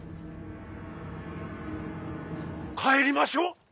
帰りましょう。